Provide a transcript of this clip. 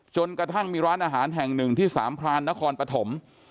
จนกระทั่งมีร้านอาหารแห่งหนึ่งที่สามพรานนครปฐม